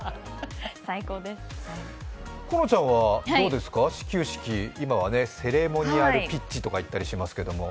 このちゃんはどうですか、始球式、今はセレモニアルピッチと言ったりするんですけど。